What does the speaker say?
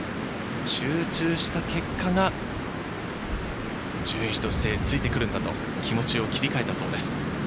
集中した結果が順位としてついてくるんだと気持ちを切り替えたそうです。